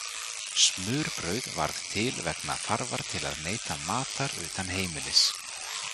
Smurbrauð varð til vegna þarfar til að neyta matar utan heimilis.